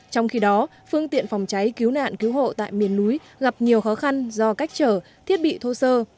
trong khi đó phương tiện phòng cháy cứu nạn cứu hộ tại miền núi gặp nhiều khó khăn do cách trở thiết bị thô sơ